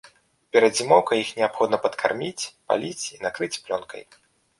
Перад зімоўкай іх неабходна падкарміць, паліць і накрыць плёнкай.